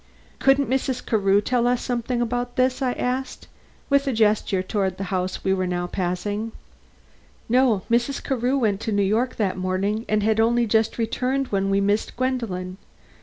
"Couldn't Mrs. Carew tell us something about this?" I asked, with a gesture toward the house we were now passing. "No. Mrs. Carew went to New York that morning and had only just returned when we missed Gwendolen.